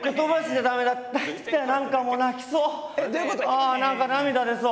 ああ何か涙出そう。